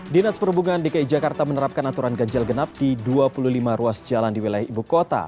dinas perhubungan dki jakarta menerapkan aturan ganjil genap di dua puluh lima ruas jalan di wilayah ibu kota